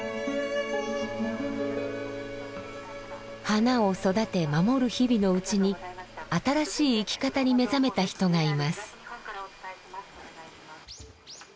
花を育て守る日々のうちに新しい生き方に目覚めた人がいます。